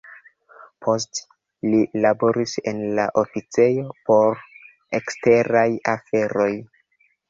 Poste li laboris en la oficejo por eksteraj aferoj.